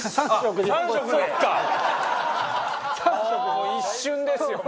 もう一瞬ですよ。